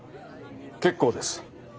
結構です。